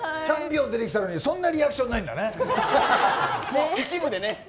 チャンピオン出てきたのにそんなにリアクションないんだね。